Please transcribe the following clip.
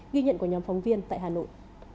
ghi nhận của nhóm phóng viên tại hà nội